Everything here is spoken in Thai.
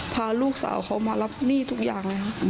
พาลูกสาวเขามารับหนี้ทุกอย่างเลยค่ะ